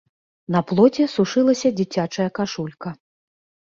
На плоце сушылася дзіцячая кашулька.